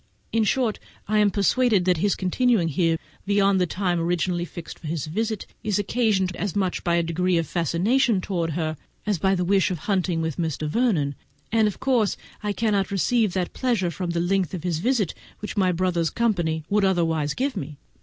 In short, I am persuaded that his continuing here beyond the time originally fixed for his return is occasioned as much by a degree of fascination towards her, as by the wish of hunting with Mr. Vernon, and of course I cannot receive that pleasure from the length of his visit which my brother's company would otherwise give me.